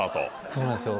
そうなんですよ